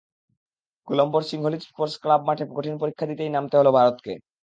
কলম্বোর Sinhalese sports club মাঠে কঠিন পরীক্ষা দিতেই নামতে হলো ভারতকে।